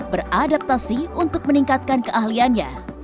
beradaptasi untuk meningkatkan keahliannya